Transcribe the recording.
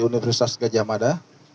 universitas gajah mada